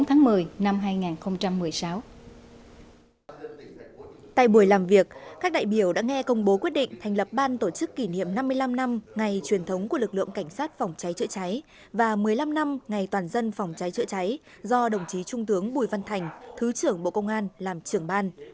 tại buổi làm việc các đại biểu đã nghe công bố quyết định thành lập ban tổ chức kỷ niệm năm mươi năm năm ngày truyền thống của lực lượng cảnh sát phòng cháy chữa cháy và một mươi năm năm ngày toàn dân phòng cháy chữa cháy do đồng chí trung tướng bùi văn thành thứ trưởng bộ công an làm trưởng ban